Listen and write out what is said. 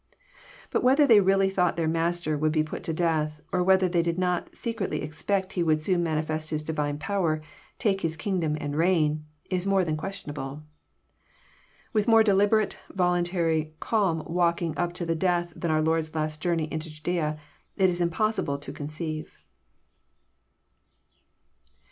But whether they really thought their Master would be put to death, or whether they did not secretly expect He would soon manifest His Divine power, take His kingdom and reign, is more than questionable. A more deliberate, voluntary, calm walking up to death than our Lord's last Journey into Judaea, it is impossible to conceive.